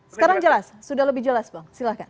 sekarang jelas sudah lebih jelas bang silahkan